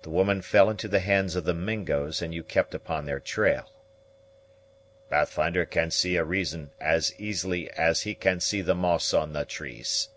The woman fell into the hands of the Mingos, and you kept upon their trail." "Pathfinder can see a reason as easily as he can see the moss on the trees.